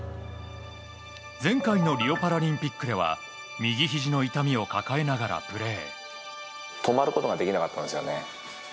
前回のリオパラリンピックでは右ひじの痛みを抱えながらプレー。